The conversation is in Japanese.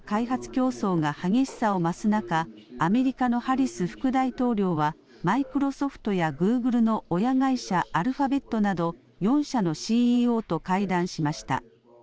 競争が激しさを増す中、アメリカのハリス副大統領は、マイクロソフトやグーグルの親会社、アルファベットなど、４社のＣＥＯと会談しました。